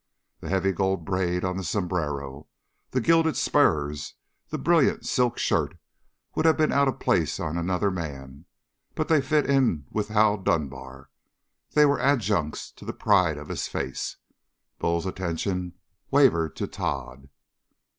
The heavy gold braid on the sombrero, the gilded spurs, the brilliant silk shirt would have been out of place on another man, but they fit in with Hal Dunbar. They were adjuncts to the pride of his face. Bull's attention wavered to Tod.